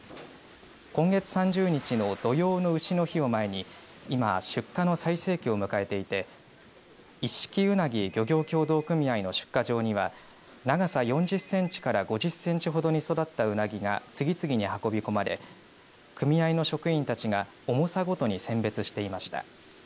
今月３０日の土用のうしの日を前に今出荷の最盛期を迎えていて一色うなぎ漁業協同組合の出荷場には長さ４０センチから５０センチほどに育ったウナギが次々に運び込まれ組合の職員たちが重さごとに選別していました。